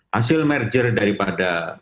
hasil merger daripada